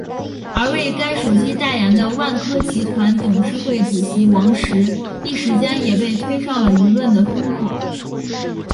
而为该手机代言的万科集团董事会主席王石一时间也被推上了舆论的风口。